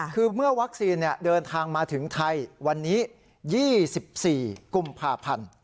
คือเมื่อวัคซีนเดินทางมาถึงไทยวันนี้๒๔กุมภาพันธ์